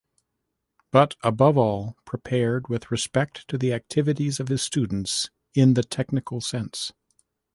But, above all, prepared with respect to the activities of his students in the technical sense.